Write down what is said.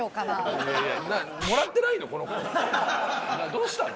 どうしたの？